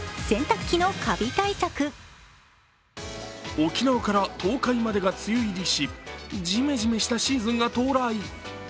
沖縄から東海までが梅雨入りしジメジメしたシーズンが到来。